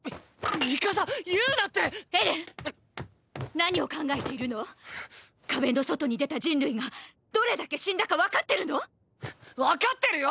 何を考えているの⁉壁の外に出た人類がどれだけ死んだか分かってるの⁉分かってるよ！